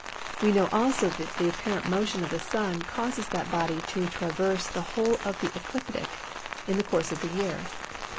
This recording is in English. We know also that the apparent motion of the Sun causes that body to traverse the whole of the ecliptic in the course of the year.